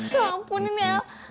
ya ampunin ya